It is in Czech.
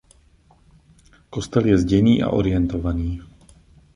Kostel je zděný a orientovaný.